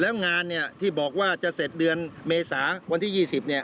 แล้วงานที่บอกว่าจะเสร็จเดือนเมษาวันที่๒๐